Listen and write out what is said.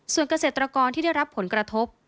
ส่วนเกษตรกรที่ได้รับผลกระทบ